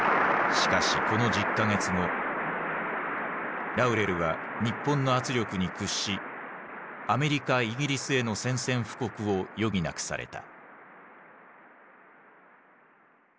しかしこの１０か月後ラウレルは日本の圧力に屈しアメリカイギリスへの宣戦布告を余儀なくされた。